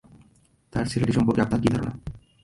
তাঁর ছেলেটি সম্পর্কে আপনার কী ধারণা?